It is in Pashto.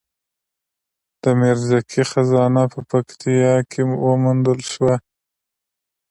د میرزکې خزانه په پکتیا کې وموندل شوه